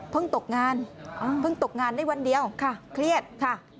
เพิ่งตกงานได้วันเดียวเครียดค่ะ